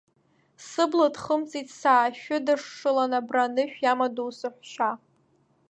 Сыбла дхымҵит, саашәыдашшылан, абра анышә иамадоу саҳәшьа.